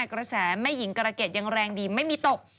กระแสแม่หญิงกรเกดยังแรงดีไม่มีตก